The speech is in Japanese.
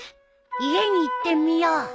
家に行ってみよう。